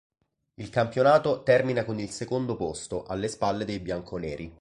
Il campionato termina con il secondo posto, alle spalle dei bianconeri.